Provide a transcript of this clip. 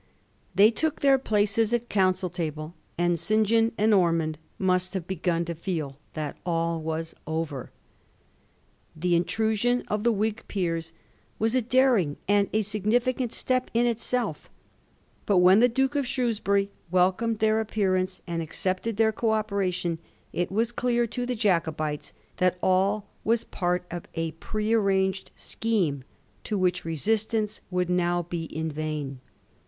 They took their places at the Council table, and St. John and Ormond must have begun to feel that all was over. The in trusion of the Whig peers was a daring and a signifi cant step in itself, but when the Duke of Shrewsbury wdcomed their appearance and accepted their co oper ation, it was dear to the Jacobites that all was part of a pre arranged scheme, to which resistance would now be in vain.